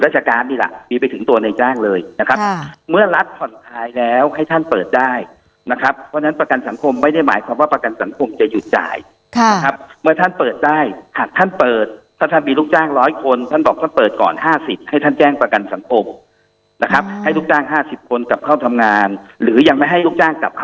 นี่แหละมีไปถึงตัวในจ้างเลยนะครับเมื่อรัฐผ่อนคลายแล้วให้ท่านเปิดได้นะครับเพราะฉะนั้นประกันสังคมไม่ได้หมายความว่าประกันสังคมจะหยุดจ่ายนะครับเมื่อท่านเปิดได้หากท่านเปิดถ้าท่านมีลูกจ้างร้อยคนท่านบอกท่านเปิดก่อน๕๐ให้ท่านแจ้งประกันสังคมนะครับให้ลูกจ้าง๕๐คนกลับเข้าทำงานหรือยังไม่ให้ลูกจ้างกลับค